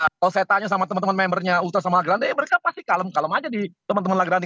kalau saya tanya sama teman teman membernya ultras sama la grande ya mereka pasti kalem kalem aja di teman teman la grande